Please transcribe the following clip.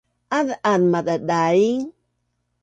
az’az madadaing